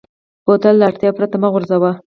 بوتل له اړتیا پرته مه غورځوه.